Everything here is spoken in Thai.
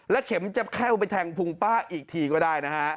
และเข็มจะเข้าไปแทงภูมิป้าอีกทีก็ได้นะฮะ